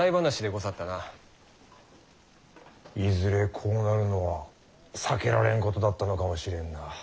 いずれこうなるのは避けられんことだったのかもしれんな。